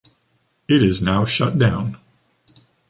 It is now shut down.